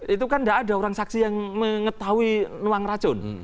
itu kan tidak ada orang saksi yang mengetahui nuang racun